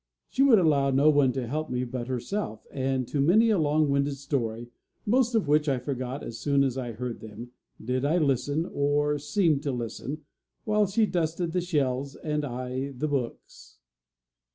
She would allow no one to help me but herself; and to many a long winded story, most of which I forgot as soon as I heard them, did I listen, or seem to listen, while she dusted the shelves and I the books.